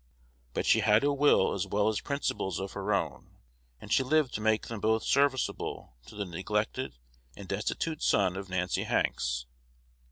But she had a will as well as principles of her own, and she lived to make them both serviceable to the neglected and destitute son of Nancy Hanks.